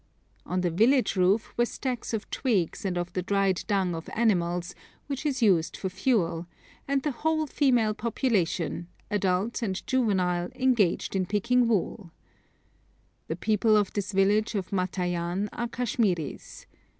On the village roof were stacks of twigs and of the dried dung of animals, which is used for fuel, and the whole female population, adult and juvenile, engaged in picking wool. The people of this village of Matayan are Kashmiris.